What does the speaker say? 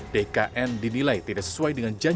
dkn dinilai tidak sesuai dengan janji